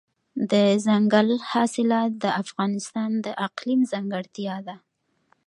دځنګل حاصلات د افغانستان د اقلیم ځانګړتیا ده.